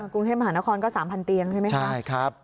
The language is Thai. กรุงเทพมหาคอนก็๓๐๐๐เตียงใช่ไหมครับ